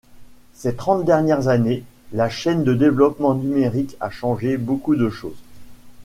Ces trente dernières années la chaîne de développement numérique a changé beaucoup de choses.